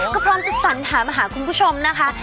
ก็พร้อมจะสัญหามาหาคุณผู้ชมนะคะ